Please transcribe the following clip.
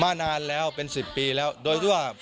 นานแล้วเป็น๑๐ปีแล้วโดยทั่ว